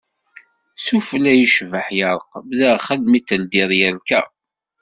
S ufella yecbaḥ yerqem, daxel mi d-teldiḍ yerka.